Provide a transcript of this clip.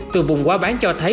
từ vùng quá bán cho thấy